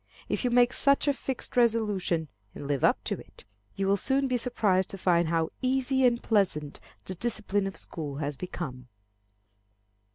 If you make such a fixed resolution, and live up to it, you will soon be surprised to find how easy and pleasant the discipline of school has become.